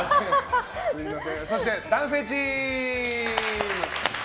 そして、男性チーム！